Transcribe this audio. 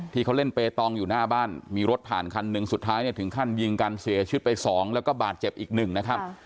ที่เขาเล่นเปตองอยู่หน้าบ้านมีรถผ่านคันหนึ่งสุดท้ายเนี่ยถึงขั้นยิงกันเสียชีวิตไปสองแล้วก็บาดเจ็บอีกหนึ่งนะครับ